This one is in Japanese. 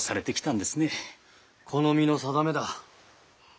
この身の定めだ。